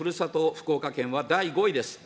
福岡県は第５位です。